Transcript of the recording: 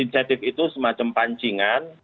insentif itu semacam pancingan